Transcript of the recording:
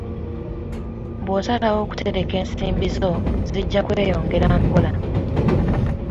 Bw'osalawo okutereka ensimbi zo, zijja kweyongera mpola.